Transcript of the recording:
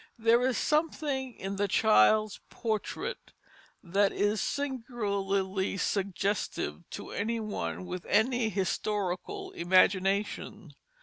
There is something in the child's portrait that is singularly suggestive to any one with any historical imagination.